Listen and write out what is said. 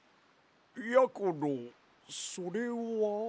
やころそれは？